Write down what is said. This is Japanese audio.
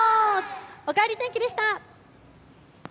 おかえり天気でした。